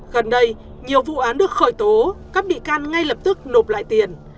gần đây nhiều vụ án được khởi tố các bị can ngay lập tức nộp lại tiền